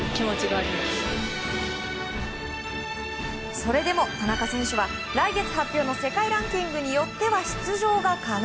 それでも田中選手は来月発表の世界ランキングによっては出場が可能。